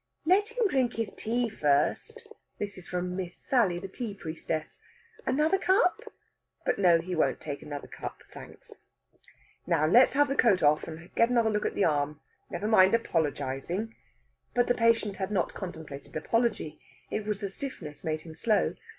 "Let him drink his tea first." This is from Miss Sally, the tea priestess. "Another cup?" But no; he won't take another cup, thanks. "Now let's have the coat off, and get another look at the arm; never mind apologizing." But the patient had not contemplated apology. It was the stiffness made him slow.